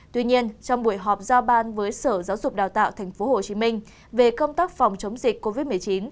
tuy nhiên trong buổi họp giao ban với sở giáo dục đào tạo tp hcm về công tác phòng chống dịch covid một mươi chín